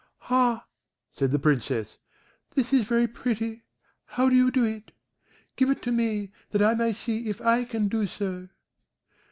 "Ha!" said the Princess, "this is very pretty; how do you do it? Give it to me, that I may see if I can do so."